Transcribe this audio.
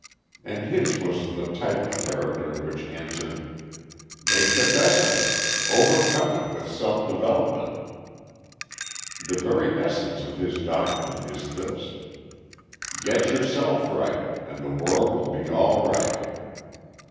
And his was the type of character which answered, "Make the best of it; overcome it with self development." The very essence of his doctrine is this: "Get yourself right, and the world will be all right."